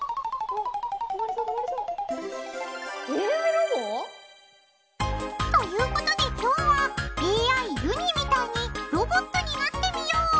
ＡＩロボ？ということで今日はＡＩゆにみたいにロボットになってみよう。